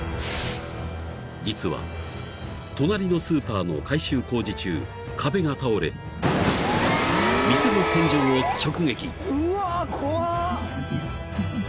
［実は隣のスーパーの改修工事中壁が倒れ店の天井を直撃］